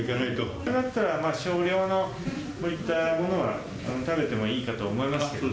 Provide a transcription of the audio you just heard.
それだったら少量のこういったものは食べてもいいかと思いますけども。